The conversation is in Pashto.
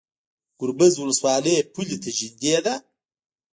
ګربز ولسوالۍ پولې ته نږدې ده؟